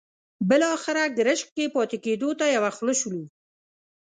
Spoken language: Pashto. بالاخره ګرشک کې پاتې کېدو ته یو خوله شولو.